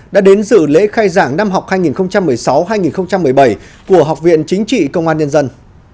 đã đến dự lễ khai giảng năm học hai nghìn một mươi sáu hai nghìn một mươi bảy của học viện chính trị công an nhân dân